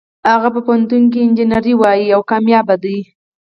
هغه په پوهنتون کې انجینري لولي او بریالۍ ده